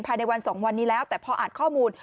ภายในวัน๒วันนี้แล้วแต่พออ่านข้อมูล